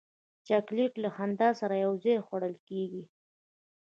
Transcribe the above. چاکلېټ له خندا سره یو ځای خوړل کېږي.